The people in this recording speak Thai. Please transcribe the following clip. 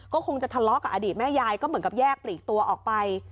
ก็คงจะทะเลาะกับอดีตแม่ยายก็เหมือนกับแยกปลีกตัวออกไป